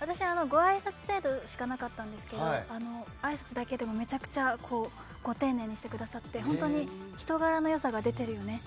私はごあいさつ程度しかなかったんですがあいさつだけでもめちゃくちゃご丁寧にしてくださって本当に人柄の良さが出てるよね。